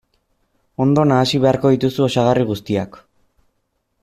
Ondo nahasi beharko dituzu osagarri guztiak.